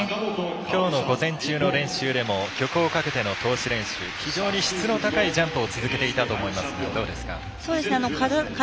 きょうの午前中の練習でも曲をかけての通し練習非常に質のいいジャンプを続けていたと思いますがどうですか。